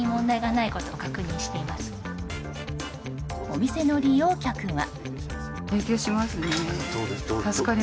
お店の利用客は。